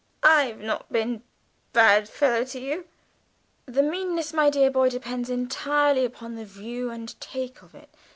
I've not been bad fellow to you." "The meanness, my dear boy, depends entirely upon the view you take of it.